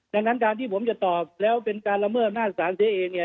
ดังนั้นการที่ผมจะตอบแล้วเป็นการละเมิดอำนาจศาลเสียเองเนี่ย